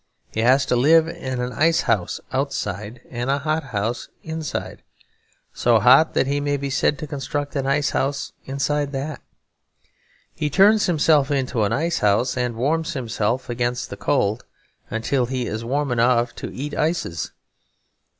He has to live in an icehouse outside and a hothouse inside; so hot that he may be said to construct an icehouse inside that. He turns himself into an icehouse and warms himself against the cold until he is warm enough to eat ices.